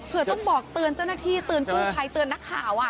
เพื่อต้องบอกเตือนเจ้าหน้าที่เตือนกู้ภัยเตือนนักข่าว